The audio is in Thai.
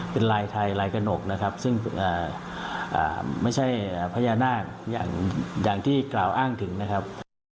เป็นลายไทยลายกระหนกนะครับซึ่งไม่ใช่พญานาคอย่างที่กล่าวอ้างถึงนะครับ